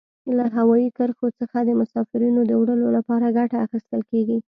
له هوایي کرښو څخه د مسافرینو د وړلو لپاره ګټه اخیستل کیږي.